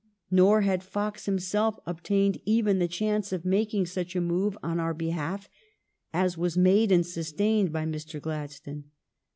Nor had Fox himself obtained even the chance of making such a move on our behalf as was made and sustained by Mr. Glad stone.